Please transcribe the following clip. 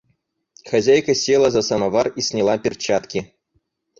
Хозяйка села за самовар и сняла перчатки.